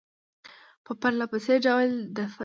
په پرله پسې ډول دفع شي.